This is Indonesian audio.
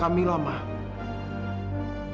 kamu sendiri trojan women